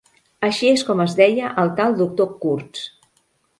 Així és com es deia el tal doctor Kurtz.